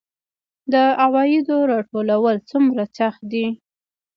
د عوایدو راټولول څومره سخت دي؟